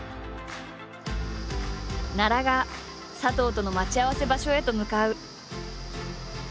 奈良が佐藤との待ち合わせ場所へと向かう。